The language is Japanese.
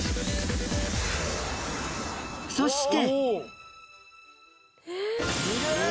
そして。